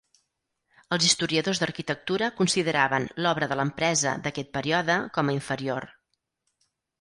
Els historiadors d'arquitectura consideraven l'obra de l'empresa d'aquest període com a inferior.